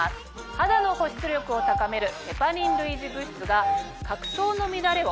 肌の保湿力を高めるヘパリン類似物質が角層の乱れを。